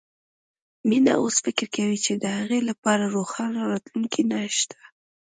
مينه اوس فکر کوي چې د هغې لپاره روښانه راتلونکی نه شته